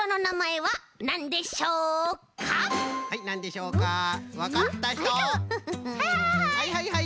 はいはいはい。